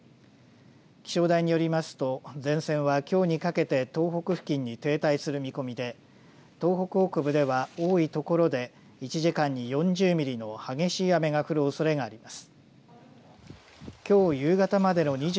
気象台によりますと前線はきょうにかけて東北付近に停滞する見込みで東北北部では多い所で１時間に４０ミリの激しい雨が降るおそれがあります。